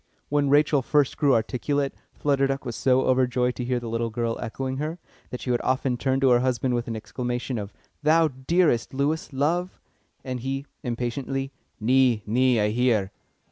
When Rachel first grew articulate, Flutter Duck was so overjoyed to hear the little girl echoing her, that she would often turn to her husband with an exclamation of "Thou hearest, Lewis, love?" And he, impatiently: "Nee, nee, I hear."